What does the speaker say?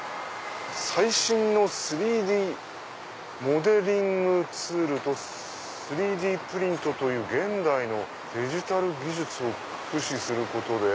「最新の３Ｄモデリングツールと３Ｄプリントという現代のデジタル技術を駆使することで」。